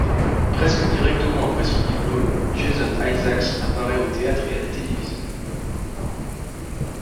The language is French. Presque directement après son diplôme, Jason Isaacs apparaît au théâtre et à la télévision.